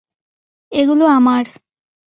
এগুলো আমার।